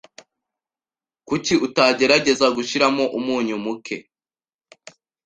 Kuki utagerageza gushyiramo umunyu muke?